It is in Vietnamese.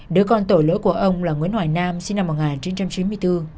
đứa con tổ lỗi của ông là nguyễn hoài nam sinh năm một nghìn chín trăm chín mươi bốn